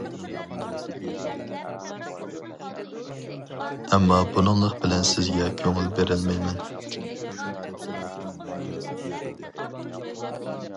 ئەمما بۇنىڭلىق بىلەن سىزگە كۆڭۈل بېرەلمەيمەن.